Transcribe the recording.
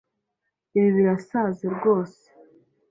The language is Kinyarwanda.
Ibi birasaze rwose.